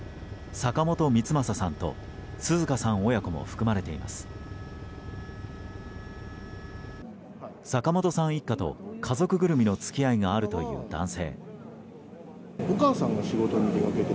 坂本さん一家と家族ぐるみの付き合いがあるという男性。